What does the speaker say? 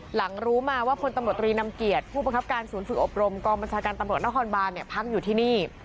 หลังรู้มาว่าพลตำรวจตรีนำเกียรติผู้บังคับการศูนย์ฝึกอบรมกองบัญชาการตำรวจนครบานพักอยู่ที่นี่